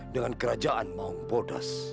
dengan kerajaan maung podas